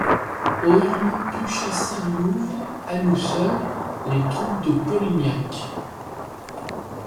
Aurions-nous pu chasser du Louvre, à nous seuls, les troupes de Polignac?